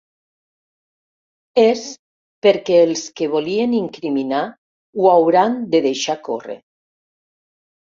És, perquè els que el volien incriminar ho hauran de deixar córrer.